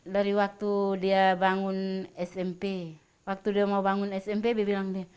dari waktu dia bangun smp waktu dia mau bangun smp dia bilang dia